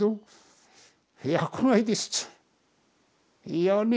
いやね